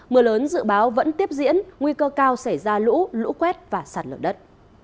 mưa lớn dự báo vẫn tiếp diễn nguy cơ cao sẽ ra lũ lũ quét và sạt nở đất